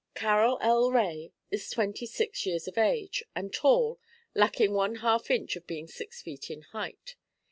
'"Carroll L. Rae is twenty six years of age, and tall, lacking one half inch of being six feet in height.